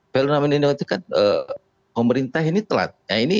fenomena el nino itu kan pemerintah ini telat